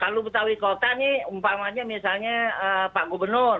kalau betawi kota nih umpamanya misalnya pak gubernur